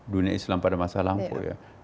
dunia islam pada masa lampau ya